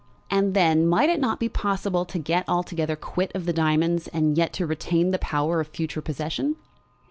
And then might it not be possible to get altogether quit of the diamonds and yet to retain the power of future possession?